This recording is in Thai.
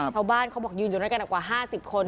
ชาวบ้านเขาบอกยืนอยู่ในกระดับกว่า๕๐คน